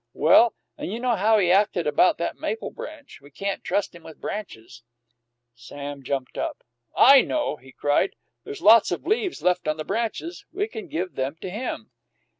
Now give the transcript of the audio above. Well, and you know how he acted about that maple branch. We can't trust him with branches." Sam jumped up. "I know!" he cried. "There's lots of leaves left on the branches. We can give them to him."